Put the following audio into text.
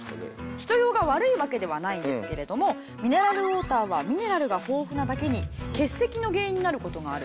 人用が悪いわけではないんですけれどもミネラルウォーターはミネラルが豊富なだけに結石の原因になる事がある。